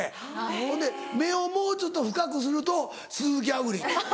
ほんで目をもうちょっと深くすると鈴木亜久里で。